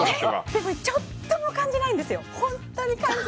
でもちょっとも感じないんですよ。